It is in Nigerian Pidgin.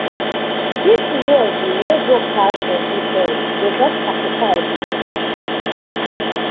Dis road wey go pass for dis forest go just kpafuka everybodi.